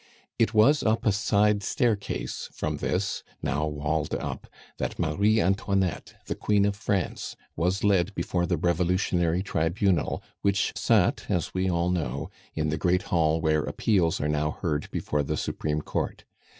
It was up a side staircase from this, now walled up, that Marie Antoinette, the Queen of France, was led before the Revolutionary tribunal which sat, as we all know, in the great hall where appeals are now heard before the Supreme Court.